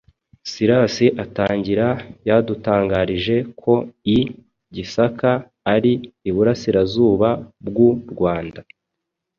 Silas atangira yadutangarije ko i Gisaka ari iburasirazuba bw’u Rwanda